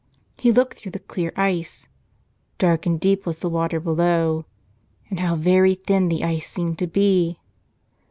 He looked through the clear ice. Dark and deep was the water below. And how very thin the ice seemed to be